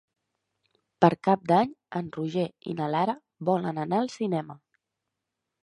Per Cap d'Any en Roger i na Lara volen anar al cinema.